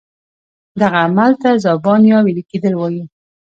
دغه عمل ته ذوبان یا ویلي کیدل وایي.